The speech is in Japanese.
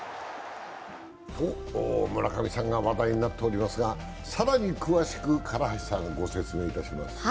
村上さんが話題になっておりますが更に詳しく唐橋さんがご説明いたします。